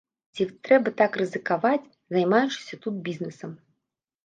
Ці трэба так рызыкаваць, займаючыся тут бізнэсам?